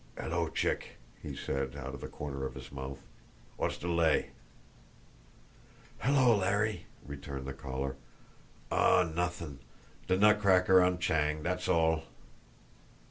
"'Ello, Chick!" he said, out of the corner of his mouth. "Wot's de lay?" "'Ello, Larry!" returned the other. "Aw, nuthin'! De nutcracker on Chang, dat's all."